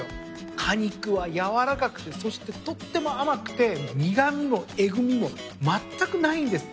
果肉は軟らかくてそしてとっても甘くて苦味もえぐみもまったくないんです。